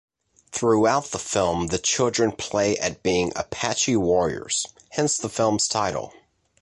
Throughout the film the children play at being "Apache warriors", hence the film's title.